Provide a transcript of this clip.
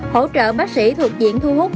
hỗ trợ bác sĩ thuộc diện thu hút